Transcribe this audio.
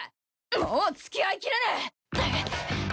もう付き合いきれねえ！